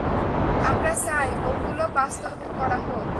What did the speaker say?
আমরা চাই ওগুলো বাস্তবায়ন করা হোক।